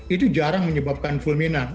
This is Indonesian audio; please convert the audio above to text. itu jarang menyebabkan fulminan